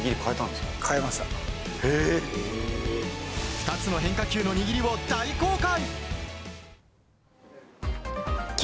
２つの変化球の握りを大公開。